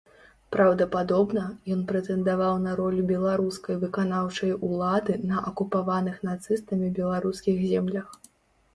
Праўдападобна, ён прэтэндаваў на ролю беларускай выканаўчай улады на акупаваных нацыстамі беларускіх землях.